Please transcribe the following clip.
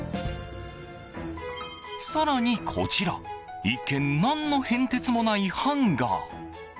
更にこちら一見、何の変哲もないハンガー。